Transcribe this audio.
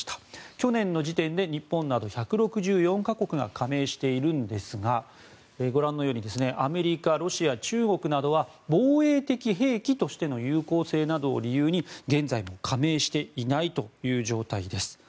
去年の時点で日本など１６４か国が加盟しているんですがご覧のようにアメリカ、ロシア、中国などは防衛的兵器としての有効性などを理由に現在も加盟していないという状態です。